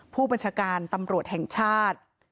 ผู้บัญชาการตำรวจแห่งชาติ